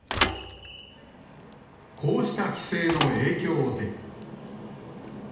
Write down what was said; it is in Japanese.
こうした規制の影響で。